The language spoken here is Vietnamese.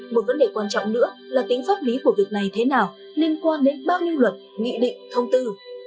một vấn đề quan trọng nữa là tính pháp lý của việc này thế nào liên quan đến bao nhiêu luật nghị định thông tư